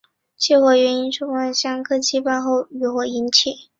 起火原因初判为香客祭拜后余火引起。